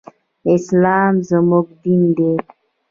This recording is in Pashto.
اسلام زمونږ دين دی.